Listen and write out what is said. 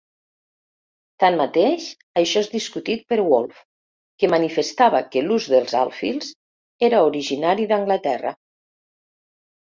Tanmateix, això és discutit per Woolf, que manifestava que l'ús dels alfils era originari d'Anglaterra.